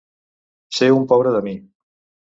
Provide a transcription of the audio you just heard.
Ser un pobre de mi.